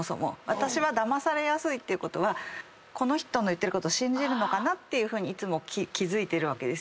私はだまされやすいってことはこの人の言ってること信じるのかなっていうふうにいつも気付いてるわけですよ。